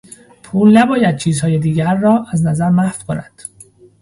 پول نباید چیزهای دیگر را از نظر محو کند.